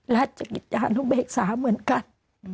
ราชกิจจานุเบกษาเหมือนกัน